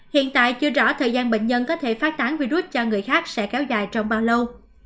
hiện tại chưa rõ thời gian bệnh nhân có thể phát tán virus cho người khác sẽ kéo dài trong bao lâu